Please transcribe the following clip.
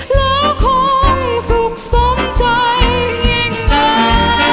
แล้วคงสุขสมใจยังไง